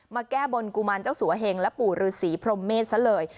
แก้บนกุมารเจ้าสัวเหงและปู่ฤษีพรมเมษซะเลย